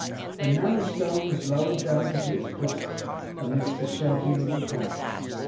And now the stone was lowered down into its place, amidst the shouting of the concourse.